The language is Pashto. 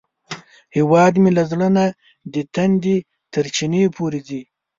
هیواد مې له زړه نه د تندي تر چینې پورې ځي